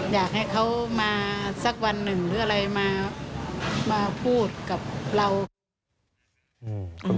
อยากให้เขามาสักวันหนึ่งหรืออะไรมาพูดกับเรา